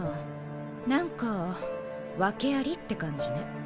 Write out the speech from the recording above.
なんか訳ありって感じね。